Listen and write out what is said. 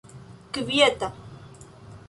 kvieta